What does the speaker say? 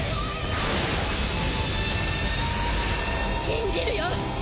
信じるよ！